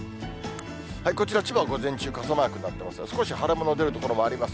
こちら千葉は午前中、傘マークになってますが、少し晴れ間の出る所もあります。